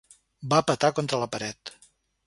Va petar contra la paret.